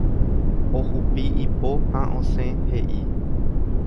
Ohupi ipo ha osẽ he'i.